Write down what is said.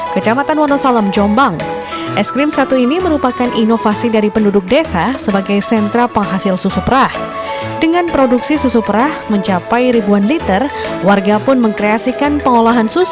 kampung sapi perah